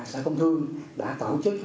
sở công thương đã tổ chức